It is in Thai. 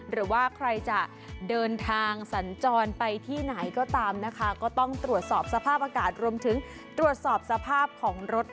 หรือว่าใครจะเดินทางสัญจรไปที่ไหนก็ตามนะคะก็ต้องตรวจสอบสภาพอากาศรวมถึงตรวจสอบสภาพของรถ